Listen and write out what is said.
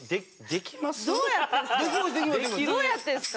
どうやってんですか！